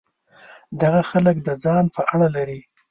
دغه خلک د ځان په اړه لري.